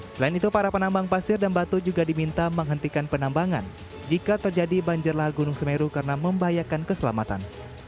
selain itu para penambang pasir dan batu juga diminta menghentikan penambangan jika terjadi banjir lahar gunung semeru karena membahayakan keselamatan